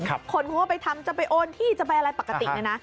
คนคงว่าไปทำจะไปโอนที่จะไปอะไรปกตินะ